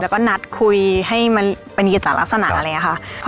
แล้วก็นัดคุยให้มันเป็นกิจจากลักษณะอะไรอย่างนี้ค่ะ